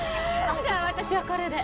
じゃあ私はこれで。